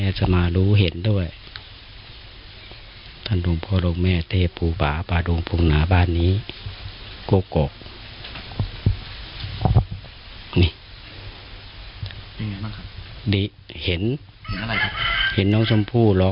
เห็นน้องชมพู่ร้องไห้อยู่